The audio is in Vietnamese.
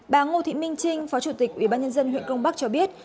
bà ngô thị minh trinh phó chủ tịch ubnd huyện công bắc cho biết